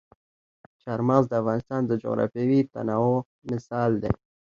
چار مغز د افغانستان د جغرافیوي تنوع مثال دی.